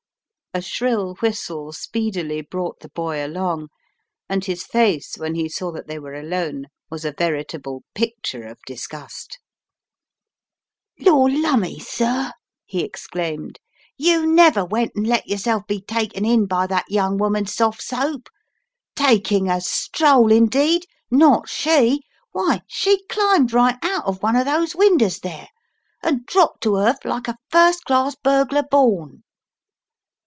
A shrill whistle speedily brought the boy along, and his face when he saw that they were alone was a veritable picture of disgust. The Woman in the Case 187 "Lor' lumme, sir!" he exclaimed, "you never went and let yerself be taken in by that young woman's soft soap! Taking a stroll, indeed! Not she! Why, she climbed right out of one of those winders there, and dropped to earth like a first class burglar born."